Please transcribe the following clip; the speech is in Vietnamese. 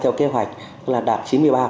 theo kế hoạch là đạt chín mươi ba